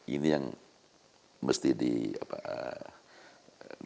ini yang mesti digaris gariskan